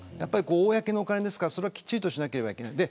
公のお金ですからきちんとしなければいけない。